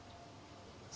saya ingin mencari